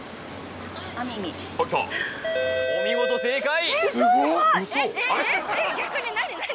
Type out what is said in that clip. お見事正解！